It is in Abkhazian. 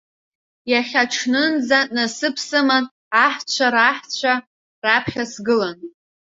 Иахьаҽнынӡа насыԥ сыман, аҳцәа раҳцәа раԥхьа сгылан.